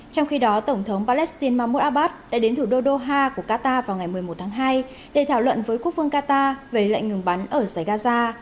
trong khi đó tổng thống palestine mahmoud abbas đã đến thủ đô doha của qatar vào ngày một mươi một tháng hai để thảo luận với quốc vương qatar về lệnh ngừng bắn ở giải gaza